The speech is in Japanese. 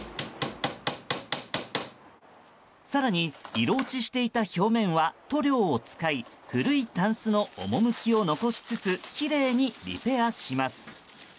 更に、色落ちしていた表面は塗料を使い古いたんすの趣を残しつつきれいにリペアします。